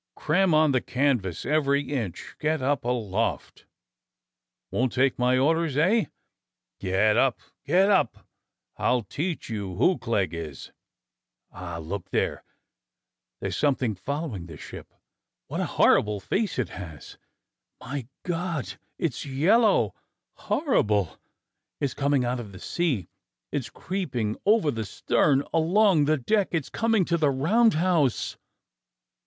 Cram on the canvas, every inch! Get up aloft! Won't take my orders, eh? Get up! Get up! I'll teach you who Clegg is ! Ah! look there! There's something following the ship. WTiat a horrible face it has! My God, it's yellow! Horrible! It's coming out of the sea! It's creeping over the stern, along the deck ! It's coming to the roundhouse